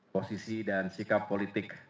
posisi dan sikap politik